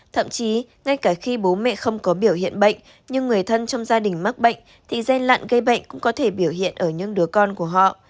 thậm chí ngay cả khi bố mẹ không có biểu hiện bệnh nhưng người thân trong gia đình mắc bệnh thì gen lặn gây bệnh cũng có thể biểu hiện ở những đứa con của họ